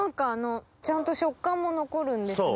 ちゃんと食感も残るんですね。